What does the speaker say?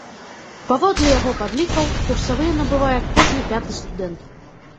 Паводле яго падлікаў, курсавыя набывае кожны пяты студэнт.